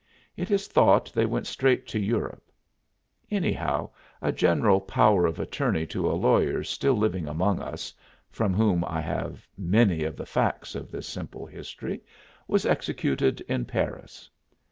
It is thought they went straight to Europe; anyhow, a general power of attorney to a lawyer still living among us from whom I have many of the facts of this simple history was executed in Paris.